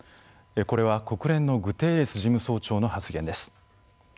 これは国連のグテーレス事務総長の発言です。